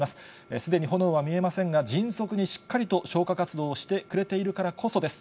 すでに炎は見えませんが、迅速に、しっかりと消火活動をしてくれているからこそです。